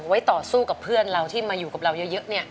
ไว้ต่อสู้กับเพื่อนเราที่มาอยู่กับเราเยอะ